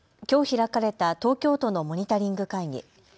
きょう開かれた東京都のモニタリング会議。